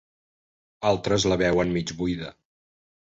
Altres la veuen mig buida.